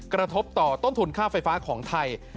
กระทบต่อต้นทุนค่าไฟฟ้าของไทย